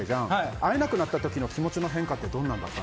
会えなくなった時の気持ちの変化ってどんなんだった？